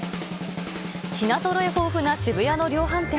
品ぞろえ豊富な渋谷の量販店。